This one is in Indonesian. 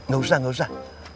gak usah gak usah